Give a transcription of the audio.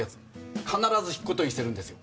必ず引く事にしてるんですよ。